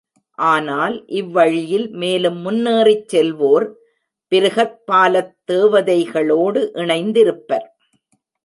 ஆனால் இவ்வழியில் மேலும் முன்னேறிச் செல்வோர் பிருகத்பாலத் தேவதைகளோடு இணைந்திருப்பர்.